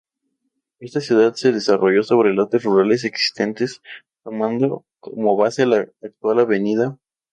Esta ciudad se desarrolló sobre lotes rurales existentes tomando como base la actual Av.